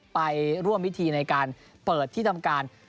ไปร่วมพิธีในการเปิดที่ทำการ